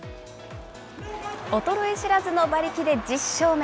衰えしらずの馬力で１０勝目。